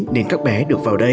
nên các bé được vào đây